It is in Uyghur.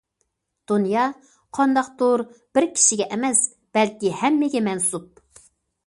« دۇنيا قانداقتۇر بىر كىشىگە ئەمەس، بەلكى ھەممىگە مەنسۇپ».